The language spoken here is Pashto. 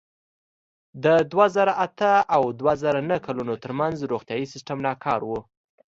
د دوه زره اته او دوه زره نهه کلونو ترمنځ روغتیايي سیستم ناکار و.